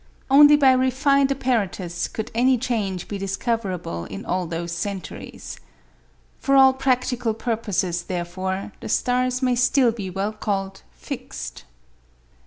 Only by refined apparatus could any change be discoverable in all those centuries. For all practical purposes, therefore, the stars may still be well called fixed.